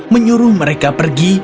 menyuruh mereka pergi